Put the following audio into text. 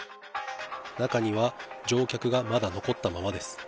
中には乗客がまだ残ったままです。